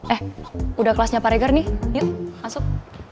eh udah kelasnya pareger nih yuk masuk